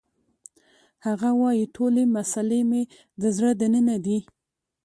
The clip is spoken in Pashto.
هغه وایی ټولې مسلې مې د زړه دننه دي